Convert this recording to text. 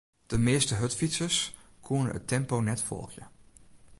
De measte hurdfytsers koene it tempo net folgje.